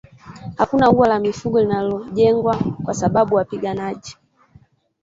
Hakuna ua la mifugo linalojengwa kwa sababu wapiganaji